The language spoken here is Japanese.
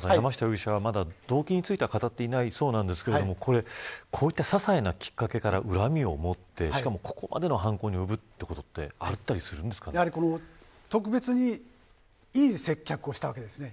援川さん、山下容疑者は動機についてはまだ語っていないそうですがこういったささいなきっかけから恨みを持ってここまでの犯行に及ぶことって特別にいい接客をしたわけですね。